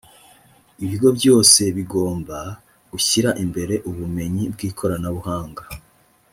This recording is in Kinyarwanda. ibigo byose bigomba gushyira imbere ubumenyi bw’ikoranabuhanga